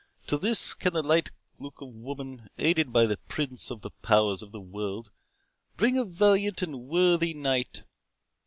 To this can the light look of woman, aided by the Prince of the Powers of this world, bring a valiant and worthy knight!